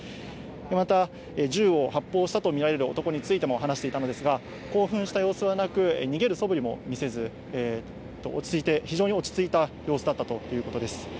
また、銃を発砲したと見られる男についても話していたのですが、興奮した様子はなく、逃げるそぶりも見せず、落ち着いて、非常に落ち着いた様子だったということです。